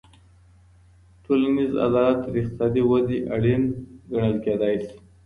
ټولنیز عدالت تر اقتصادي ودي اړین ګڼل کېدای سي.